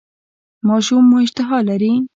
ماشوم مو اشتها لري؟